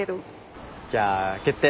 じゃあ決定。